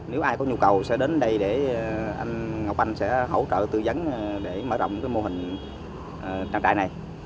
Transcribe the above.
nếu ai có nhu cầu sẽ đến đây để anh ngọc anh sẽ hỗ trợ tư dấn để mở rộng cái mô hình trang trại này